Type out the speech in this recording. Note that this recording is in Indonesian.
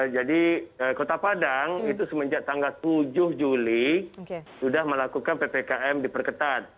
jadi kota padang itu semenjak tanggal tujuh juli sudah melakukan ppkm diperketat